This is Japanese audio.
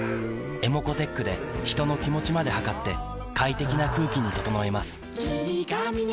ｅｍｏｃｏーｔｅｃｈで人の気持ちまで測って快適な空気に整えます